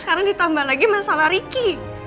sekarang ditambah lagi masalah ricky